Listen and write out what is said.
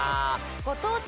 ご当地